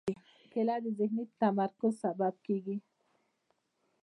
کېله د ذهني تمرکز سبب کېږي.